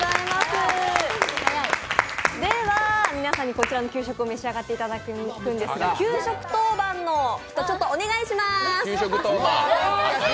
では皆さんにこちらの給食を召し上がっていただくんですが、給食当番の人、お願いします！